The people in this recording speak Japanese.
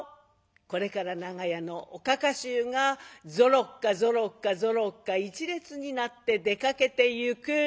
これから長屋のおかか衆がぞろっかぞろっかぞろっか１列になって出かけてゆく。